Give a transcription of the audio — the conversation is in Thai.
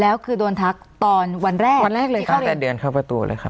แล้วคือโดนทักตอนวันแรกวันแรกเลยค่ะตั้งแต่เดินเข้าประตูเลยครับ